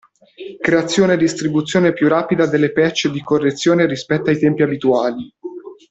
Creazione e distribuzione più rapida delle patch di correzione rispetto ai tempi abituali.